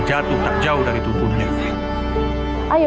jatuh tak jauh dari tutunnya ayo